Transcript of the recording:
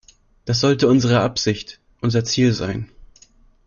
Das sollte unsere Absicht, unser Ziel sein.